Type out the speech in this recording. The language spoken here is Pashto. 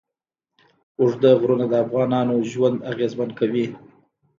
اوږده غرونه د افغانانو ژوند اغېزمن کوي.